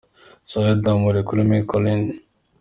Soiree des Amoureux kuri Mille Collines